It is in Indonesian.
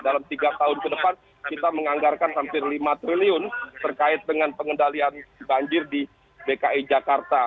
dalam tiga tahun ke depan kita menganggarkan hampir lima triliun terkait dengan pengendalian banjir di dki jakarta